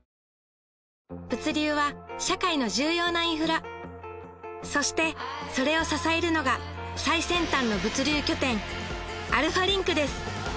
物流は社会の重要なインフラそしてそれを支えるのが最先端の物流拠点アルファリンクです